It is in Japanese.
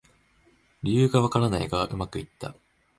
理由がわからないがうまくいった